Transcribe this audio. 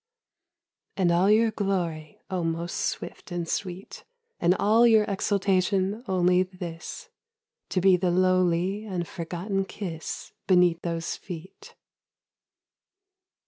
And all your glory, O most swift and sweet! And all your exultation only this; To be the lowly and forgotten kiss Beneath those feet.